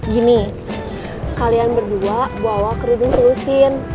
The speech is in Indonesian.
gini kalian berdua bawa kerudung selusin